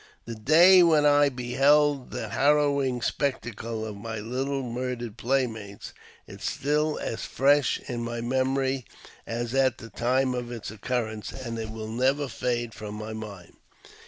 32 AUTQBIOGEAPHY OF The day when I beheld the harrowing spectacle of my little murdered playmates is still as fresh in my memory as at the time of its occurrence, and it never will fade from my mind.